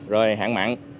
rồi hạn mặn